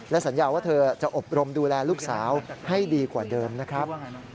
สัญญาว่าเธอจะอบรมดูแลลูกสาวให้ดีกว่าเดิมนะครับ